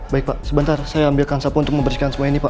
baik pak sebentar saya ambilkan sapu untuk membersihkan semua ini pak